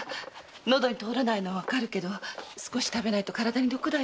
喉に通らないのはわかるけど少し食べないと体に毒だよ。